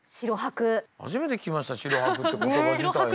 初めて聞きました「城泊」って言葉自体も。